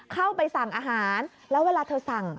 เข้าไปสั่งอาหารแล้วเวลาเธอสั่ง